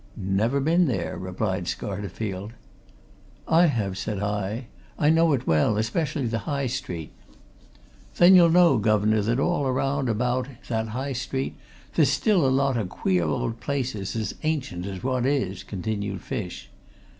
"Never been there," replied Scarterfield. "I have," said I. "I know it well especially the High Street." "Then you'll know, guv'nor, that all round about that High Street there's still a lot o' queer old places as ancient as what it is," continued Fish.